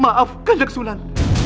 maafkan lek sulan